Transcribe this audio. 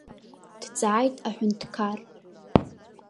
Дҵааит аҳәынҭқар.